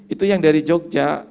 itu yang dari jogja